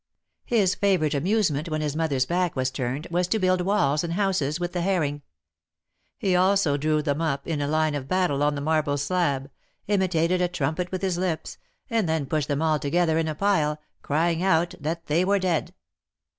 His favorite amusement, when his mother^s back was turned, was to build walls and houses with the herring; he also drew them up in line of battle on the marble slab, imitated a trumpet with his lips, and then pushed them all together in a pile, crying out that they were dead.